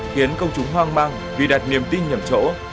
khiến công chúng hoang mang vì đặt niềm tin nhầm chỗ